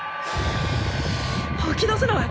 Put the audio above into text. はき出せない！